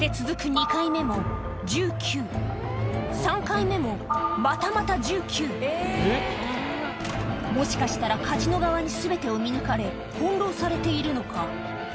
２回目も１９３回目もまたまた１９もしかしたら全てを翻弄されているのか？